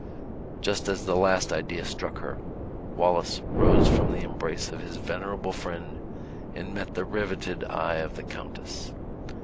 Just as the last idea struck her, Wallace rose from the embrace of his venerable friend and met the riveted eye of the countess.